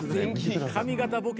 髪形ボケ